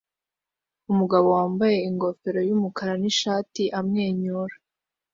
Umugabo wambaye ingofero yumukara nishati amwenyura